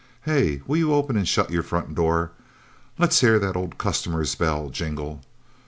Hey will you open and shut your front door? Let's hear the old customer's bell jingle...